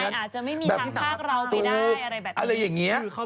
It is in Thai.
ความตายอาจจะไม่มีทางภาคเราไปได้อะไรแบบนี้